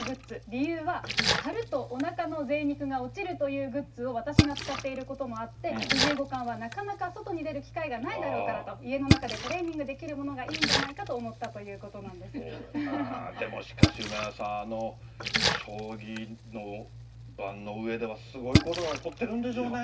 理由は、貼るとおなかのぜい肉が落ちるというグッズを私が使っていることもあって、藤井五冠はなかなか外に出る機会がないだろうからと、家の中でトレーニングできるものがいいんじゃないかと思ったといでもしかし、梅沢さん、将棋の盤の上ではすごいことが起こってるんでしょうね。